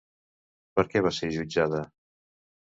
Per què va ser jutjada?